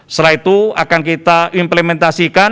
setelah itu akan kita implementasikan